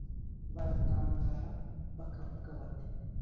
baratangara bakavuga bati